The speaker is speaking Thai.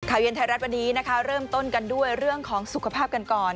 เย็นไทยรัฐวันนี้นะคะเริ่มต้นกันด้วยเรื่องของสุขภาพกันก่อน